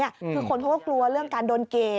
คือคนโฆษ์กลัวเรื่องการโดนเกต